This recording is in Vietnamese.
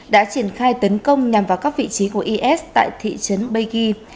đã triển khai tấn công nhằm vào các vị trí của is tại thị trấn begi